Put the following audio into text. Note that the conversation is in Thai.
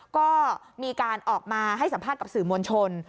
ก็มีการออกมาให้สัมภาษณ์กับสื่อมวลชน